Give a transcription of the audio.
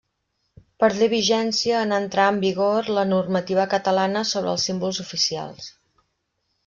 Perdé vigència en entrar en vigor la normativa catalana sobre els símbols oficials.